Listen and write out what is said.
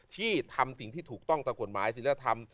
ที่ทำสิ่งที่ถูกต้องตามกฎหมายศิลธรรม